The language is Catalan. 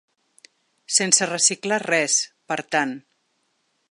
Sense reciclar res, per tant.